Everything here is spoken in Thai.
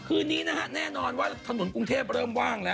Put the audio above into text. คืนนี้นะฮะแน่นอนว่าถนนกรุงเทพเริ่มว่างแล้ว